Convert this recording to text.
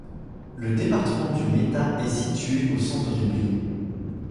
Le département du Meta est situé au centre du pays.